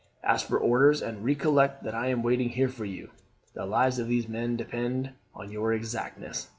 Ask for orders, and recollect that I am waiting here for you. The lives of these men depend on your exactness.'